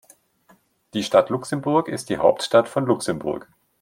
Die Stadt Luxemburg ist die Hauptstadt von Luxemburg.